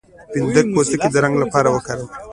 د فندق پوستکی د رنګ لپاره وکاروئ